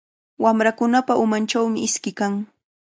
Wamrakunapa umanchawmi iski kan.